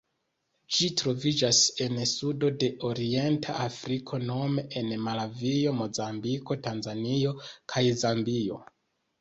Ĝi troviĝas en sudo de orienta Afriko nome en Malavio, Mozambiko, Tanzanio kaj Zambio.